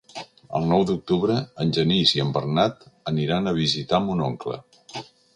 El nou d'octubre en Genís i en Bernat aniran a visitar mon oncle.